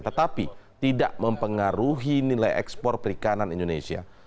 tetapi tidak mempengaruhi nilai ekspor perikanan indonesia